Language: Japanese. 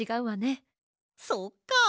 そっか。